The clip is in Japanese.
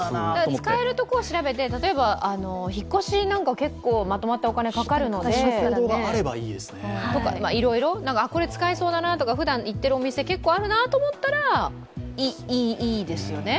使えるところを調べて、引っ越しなんかは結構まとまったお金がかかるのでいろいろ、これ使えそうだなとか、普段行っているお店、結構あるなと思ったらいいですよね。